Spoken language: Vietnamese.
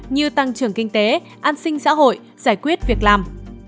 như tăng trưởng kinh tế an sinh xã hội giải quyết việc làm